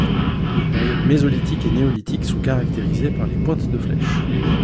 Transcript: Les périodes mésolithique et néolithique, sont caractérisées par les pointes de flèches.